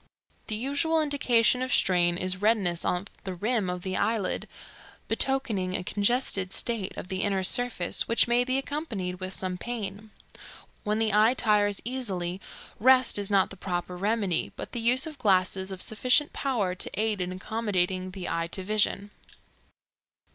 The usual indication of strain is redness of the rim of the eyelid, betokening a congested state of the inner surface, which may be accompanied with some pain. When the eye tires easily rest is not the proper remedy, but the use of glasses of sufficient power to aid in accommodating the eye to vision.